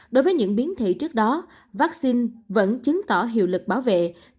đối với những biến thể trước đó vaccine vẫn chứng tỏ hiệu lực bảo vệ